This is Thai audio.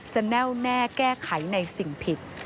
แน่วแน่แก้ไขในสิ่งผิด